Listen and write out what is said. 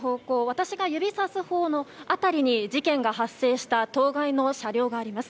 私が指さすほうの辺りに事件が発生した当該の車両があります。